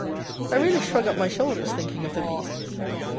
I really shrug up my shoulders thinking of the beasts.